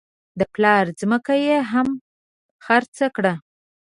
د پلار ځمکه یې هم خرڅه کړه.